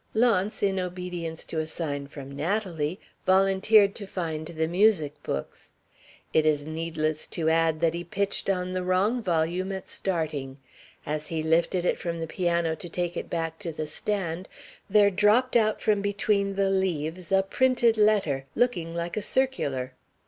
Launce, in obedience to a sign from Natalie, volunteered to find the music books. It is needless to add that he pitched on the wrong volume at starting. As he lifted it from the piano to take it back to the stand, there dropped out from between the leaves a printed letter, looking like a circular.